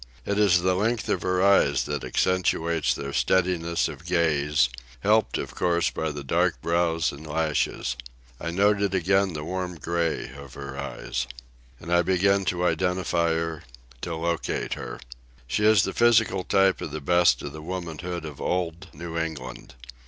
It is the length of her eyes that accentuates their steadiness of gaze—helped, of course, by the dark brows and lashes. I noted again the warm gray of her eyes. And I began to identify her, to locate her. She is a physical type of the best of the womanhood of old New England.